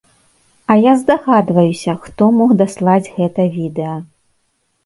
А я здагадваюся, хто мог даслаць гэта відэа.